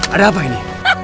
ada apa ini